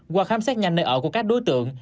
qua khám xét nhanh nơi ở của các đối tượng